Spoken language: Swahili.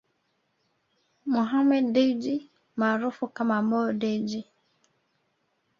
Mohammed Dewji maarufu kama Mo Dewji